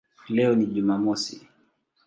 Leo ni Jumamosi".